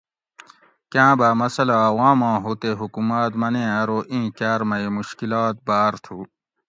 کاں باۤ مسٔلہ عواماں ھو تے حکومات منیں ارو ایں کاۤر مئ مشکلات باۤر تھو